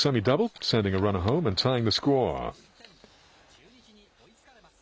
中日に追いつかれます。